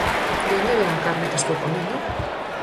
De onde vén a carne que estou comendo?